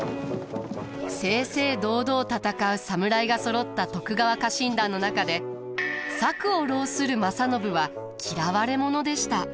正々堂々戦う侍がそろった徳川家臣団の中で策を弄する正信は嫌われ者でした。